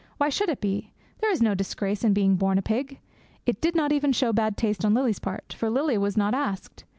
Why should it be? There is no disgrace in being born a pig. It did not even show bad taste on Lily's part, for Lily was not asked.